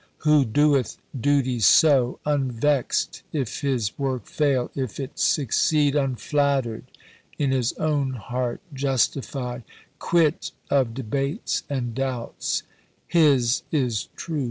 Who doeth duties so, Unvexed if his work fail, if it succeed Unflattered, in his own heart justified, Quit of debates and doubts, his is "true" act.